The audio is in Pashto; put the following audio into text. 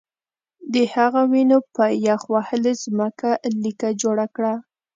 د هغه وینو په یخ وهلې ځمکه لیکه جوړه کړه